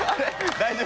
大丈夫？